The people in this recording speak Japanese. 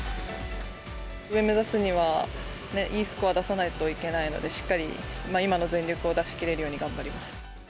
上目指すには、いいスコアを出さないといけないので、しっかり今の全力を出しきれるように頑張ります。